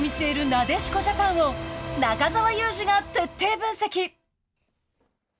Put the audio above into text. なでしこジャパンを中澤佑二が徹底分析。